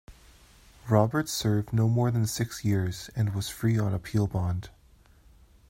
Roberts served no more than six years, and was free on appeal bond.